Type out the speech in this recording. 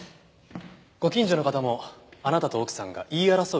ご近所の方もあなたと奥さんが言い争う